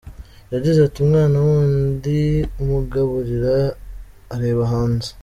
Yagize ati “Umwana w’undi umugaburira areba hanze.